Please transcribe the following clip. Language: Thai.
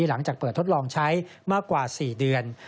หลังจากเปิดทดลองใช้มากกว่า๔เดือน